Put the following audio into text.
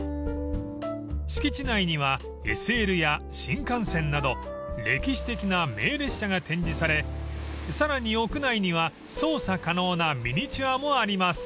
［敷地内にはＳＬや新幹線など歴史的な名列車が展示されさらに屋内には操作可能なミニチュアもあります］